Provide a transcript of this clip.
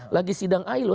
lagi sidang air loh